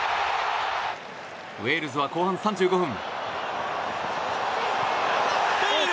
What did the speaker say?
ウェールズは後半３５分。